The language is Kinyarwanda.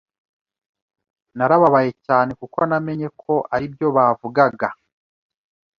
narababaye cyane kuko namenye ko aribyo bavugaga